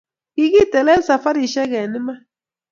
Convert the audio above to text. Kikitelel safarishe eng' iman